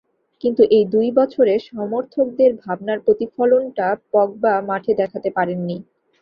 কিন্তু এই দুই বছরে সমর্থকদের ভাবনার প্রতিফলনটা পগবা মাঠে দেখাতে পারেননি।